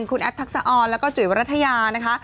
คุณแอฟทักษะออนแล้วก็จุ๋ยวรัฐยานะคะ